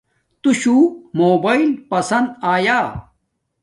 توشو موباݵل پسند آیا